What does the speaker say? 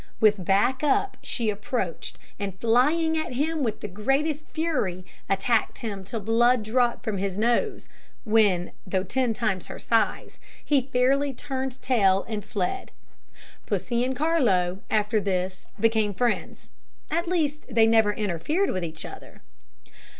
With back up, she approached, and flying at him with the greatest fury, attacked him till blood dropped from his nose, when, though ten times her size, he fairly turned tail and fled. Pussy and Carlo, after this, became friends; at least, they never interfered with each other.